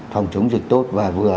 phòng chống dịch tốt và vừa